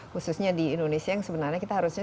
khususnya di indonesia yang sebenarnya kita harusnya